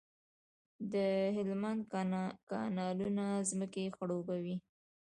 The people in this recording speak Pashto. د هلمند کانالونه ځمکې خړوبوي.